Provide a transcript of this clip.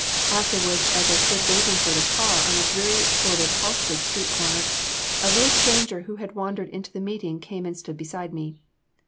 Afterwards as I stood waiting for the car on a dreary sordid Halstead Street corner, a little stranger who had wandered into the meeting came and stood beside me.